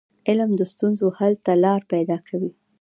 علم د ستونزو حل ته لار پيداکوي.